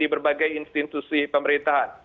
di berbagai institusi pemerintahan